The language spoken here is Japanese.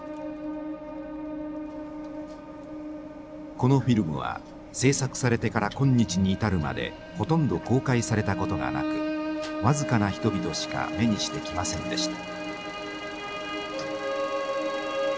このフィルムは制作されてから今日に至るまでほとんど公開されたことがなく僅かな人々しか目にしてきませんでした。